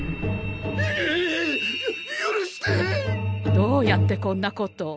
どうやってこんなことを？